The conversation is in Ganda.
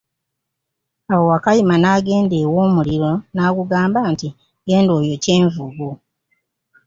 Awo Wakayima n'agenda ew' omuliro n'agugamba nti, genda oyokye envubu.